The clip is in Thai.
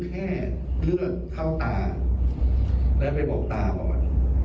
เลือกเข้าตาและไปบอกตาบอด